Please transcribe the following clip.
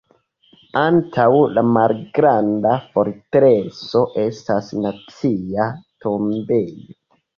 Antaŭ La malgranda fortreso estas Nacia tombejo.